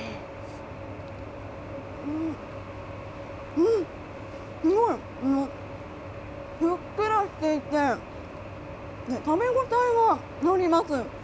うん、すごい、ふっくらしていて、かみ応えがあります。